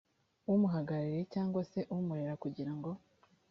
umuhagarariye cyangwa se umurera kugira ngo